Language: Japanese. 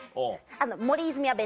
森泉は別！